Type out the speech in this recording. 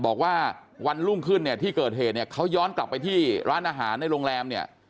บอกว่าวันรุ่งขึ้นเนี่ยที่เกิดเหตุเนี่ยเขาย้อนกลับไปที่ร้านอาหารในโรงแรมเนี่ย